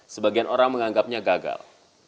sebagian orang menganggapnya gagal